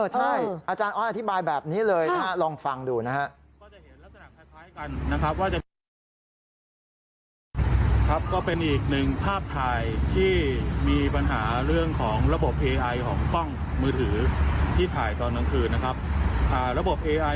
ใช่อาจารย์ออสอธิบายแบบนี้เลยถ้าลองฟังดูนะครับ